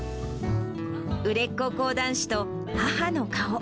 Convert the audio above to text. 売れっ子講談師と母の顔。